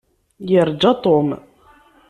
Irǧa Tom.